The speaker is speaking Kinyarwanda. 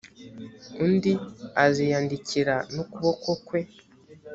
undi aziyandikira n’ ukuboko kwe